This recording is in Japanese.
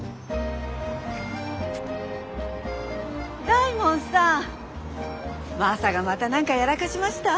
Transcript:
大門さんマサがまた何かやらかしました？